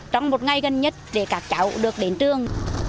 trong một ngày gần nhất để các cháu được đến trường